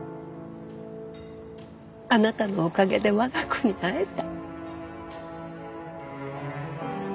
あなたのおかげで我が子に会えた。